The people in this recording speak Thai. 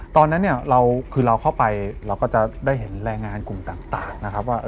ตอนนั้นเนี่ยเราคือเราเข้าไปเราก็จะได้เห็นแรงงานกลุ่มต่างนะครับว่า